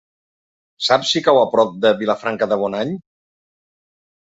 Saps si cau a prop de Vilafranca de Bonany?